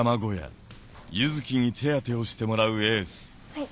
はい。